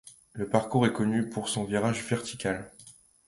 Le parcours est connu pour son virage vertical.